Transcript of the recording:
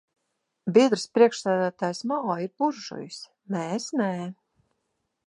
Biedrs priekšsēdētājs Mao ir buržujs, mēs nē.